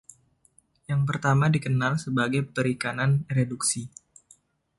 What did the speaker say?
Yang pertama dikenal sebagai perikanan reduksi.